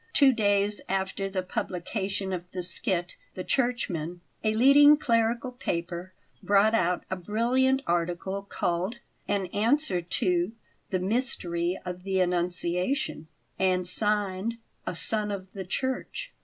Two days after the publication of the skit, the Churchman, a leading clerical paper, brought out a brilliant article, called: "An Answer to 'The Mystery of the Annunciation,'" and signed: "A Son of the Church."